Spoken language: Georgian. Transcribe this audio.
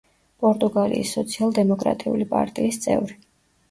პორტუგალიის სოციალ-დემოკრატიული პარტიის წევრი.